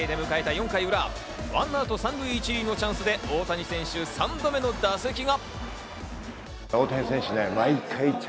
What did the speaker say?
４回裏、１アウト３塁１塁のチャンスで大谷選手、３打目の打席が。